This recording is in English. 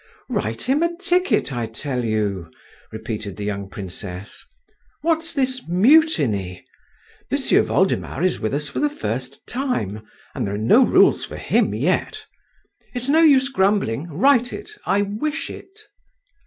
"Write him a ticket, I tell you," repeated the young princess. "What's this mutiny? M'sieu Voldemar is with us for the first time, and there are no rules for him yet. It's no use grumbling—write it, I wish it."